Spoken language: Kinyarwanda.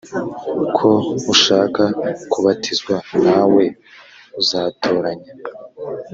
ko ushaka kubatizwa na we azatoranya?